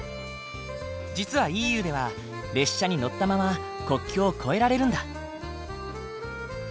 実はＥＵでは列車に乗ったまま国境を越えられるんだ。